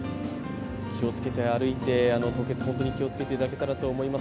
気を付けて歩いて、凍結本当に気を付けていただけたらと思います。